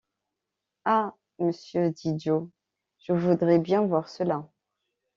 Ah! monsieur, dit Joe, je voudrais bien voir cela.